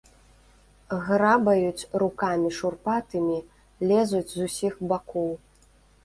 Грабаюць рукамі шурпатымі, лезуць з усіх бакоў.